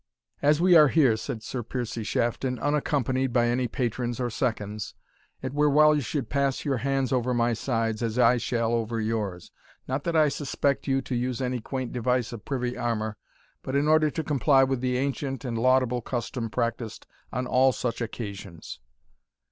"As we are here," said Sir Piercie Shafton, "unaccompanied by any patrons or seconds, it were well you should pass your hands over my sides, as I shall over yours; not that I suspect you to use any quaint device of privy armour, but in order to comply with the ancient and laudable custom practised on all such occasions."